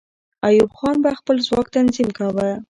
ایوب خان به خپل ځواک تنظیم کاوه.